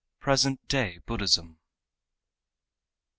IX PRESENT DAY BUDDHISM: _1.